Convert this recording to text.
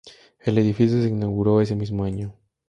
El edificio se inauguró ese mismo año.